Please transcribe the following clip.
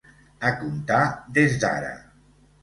A comptar des d'ara.